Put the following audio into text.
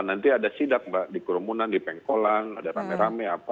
nanti ada sidak mbak di kerumunan di pengkolan ada rame rame apa